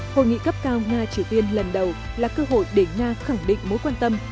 hội nghị cấp cao nga triều tiên lần đầu là cơ hội để nga khẳng định mối quan tâm